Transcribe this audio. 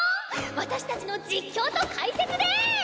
私たちの実況と解説で！